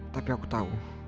tapi aku tahu